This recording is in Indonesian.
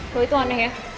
lo itu aneh ya